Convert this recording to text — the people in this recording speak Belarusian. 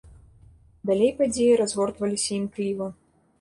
Далей падзеі разгортваліся імкліва.